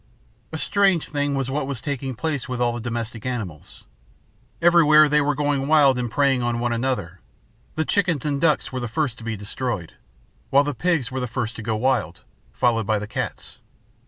"A strange thing was what was taking place with all the domestic animals. Everywhere they were going wild and preying on one another. The chickens and ducks were the first to be destroyed, while the pigs were the first to go wild, followed by the cats.